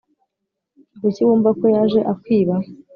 Kuki wumva ko yaje akwiba